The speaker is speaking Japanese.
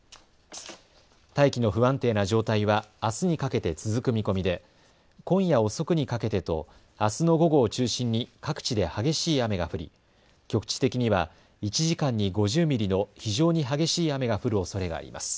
大気の不安定な状態はあすにかけて続く見込みで今夜遅くにかけてと、あすの午後を中心に各地で激しい雨が降り局地的には１時間に５０ミリの非常に激しい雨が降るおそれがあります。